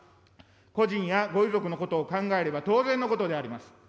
故人やご遺族のことを考えれば当然のことであります。